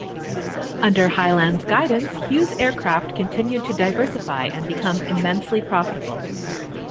Under Hyland's guidance, Hughes Aircraft continued to diversify and become immensely profitable.